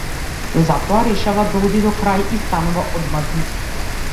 Затоа, решава да оди до крај и станува одмаздник.